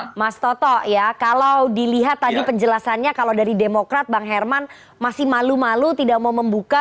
oke mas toto ya kalau dilihat tadi penjelasannya kalau dari demokrat bang herman masih malu malu tidak mau membuka